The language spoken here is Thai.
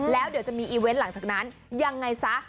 แล้วเดี๋ยวจะมีอีเวนต์หลังจากนั้นยังไงซะ